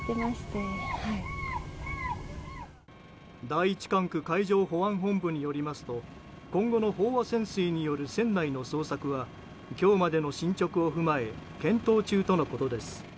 第１管区海上保安本部によりますと今後の飽和潜水による船内の捜索は今日までの進捗を踏まえ検討中とのことです。